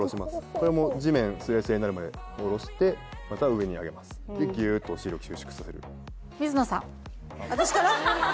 これも地面スレスレになるまで下ろしてまた上に上げますでギューッとお尻を収縮させる私から？